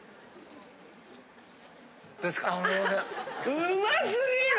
・うますぎる？